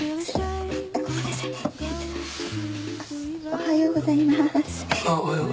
おはようございます。